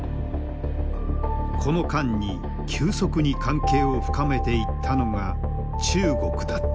この間に急速に関係を深めていったのが中国だった。